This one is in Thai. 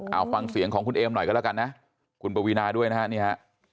เอาฟังเสียงของคุณเอมหน่อยก็แล้วกันนะคุณปวีนาด้วยนะฮะนี่ฮะ